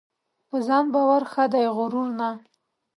په ځان باور ښه دی ؛غرور نه .